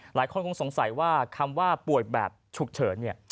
หลายคนคงสงสัยว่าคำว่าป่วยแบบฉุกเฉินเนี่ย